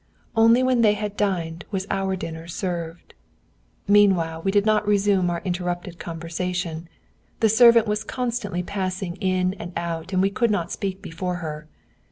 Only when they had dined was our dinner served. Meanwhile, we did not resume our interrupted conversation; the servant was constantly passing in and out, and we could not speak before her.